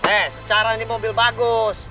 eh secara ini mobil bagus